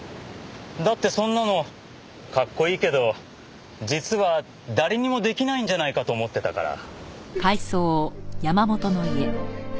だってそんなのかっこいいけど実は誰にも出来ないんじゃないかと思ってたから。